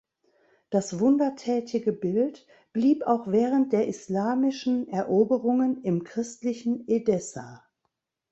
Das wundertätige Bild blieb auch während der islamischen Eroberungen im christlichen Edessa.